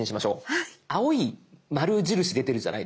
青い丸印出てるじゃないですか。